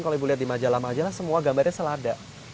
kalau ibu lihat di majala majalah semua gambarnya selada